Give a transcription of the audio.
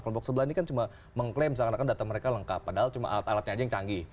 kelompok sebelah ini kan cuma mengklaim seakan akan data mereka lengkap padahal cuma alat alatnya aja yang canggih